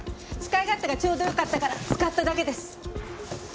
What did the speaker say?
使い勝手がちょうどよかったから使っただけです。